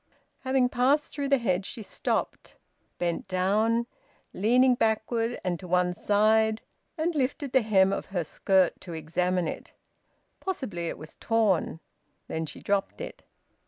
Having passed through the hedge, she stopped, bent down, leaning backward and to one side, and lifted the hem of her skirt to examine it; possibly it was torn; then she dropped it.